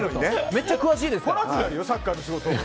めっちゃ詳しいですから。